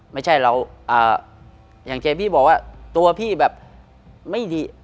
ไม่ใช่เราอย่างเจพี่บอกว่าตัวพี่แบบไม่ดี